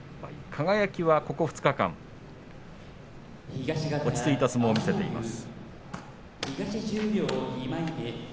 輝は、ここ２日間落ち着いた相撲を見せています。